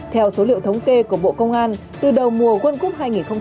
theo số liệu thống kê của bộ công an từ đầu mùa quân cúp hai nghìn hai mươi hai